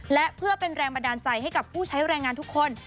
และเพื่อเป็นแรงบันดาลใจให้กับผู้ใช้แรงงานทุกคน